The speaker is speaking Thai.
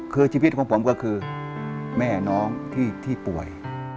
คือชีวิตของผมก็คือแม่น้องที่ป่วย